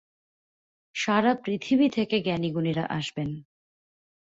সারা পৃথিবী থেকে জ্ঞানীগুণীরা আসবেন।